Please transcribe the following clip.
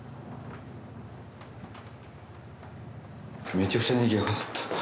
めちゃくちゃにぎやかだった。